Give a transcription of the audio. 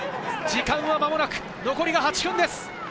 時間は間もなく残り８分です。